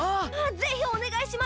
ぜひおねがいします。